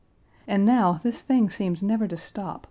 And now this thing seems never to stop.